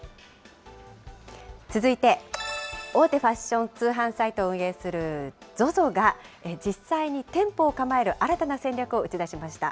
続いて、大手ファッション通販サイトを運営するＺＯＺＯが、実際に店舗を構える新たな戦略を打ち出しました。